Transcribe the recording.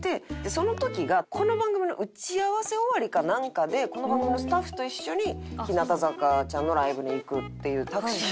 その時がこの番組の打ち合わせ終わりかなんかでこの番組のスタッフと一緒に日向坂ちゃんのライブに行くっていうタクシーで。